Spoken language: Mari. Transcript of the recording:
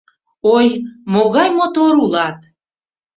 — Ой, могай мотор ула-ат...